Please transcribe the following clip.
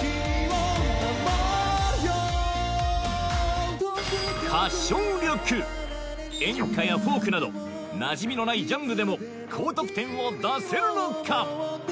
君を守るよ演歌やフォークなどなじみのないジャンルでも高得点を出せるのか？